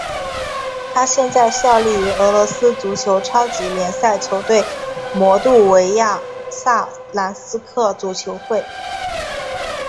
他现在效力于俄罗斯足球超级联赛球队摩度维亚萨兰斯克足球会。